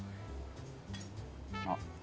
「あっ」